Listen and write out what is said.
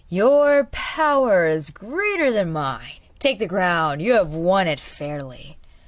'Your power is greater than mine: take the crown; you have won it fairly!